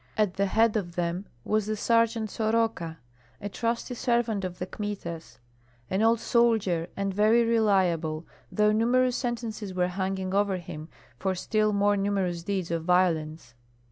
At the head of them was the sergeant Soroka, a trusty servant of the Kmitas, an old soldier and very reliable, though numerous sentences were hanging over him for still more numerous deeds of violence.